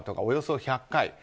およそ１００回。